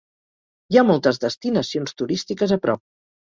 Hi ha moltes destinacions turístiques a prop.